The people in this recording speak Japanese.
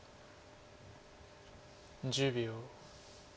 １０秒。